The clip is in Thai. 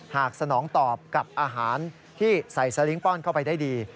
สนองตอบกับอาหารที่ใส่สลิงค์ป้อนเข้าไปได้ดี